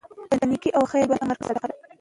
په نيکۍ او خیر باندي امر کول صدقه ده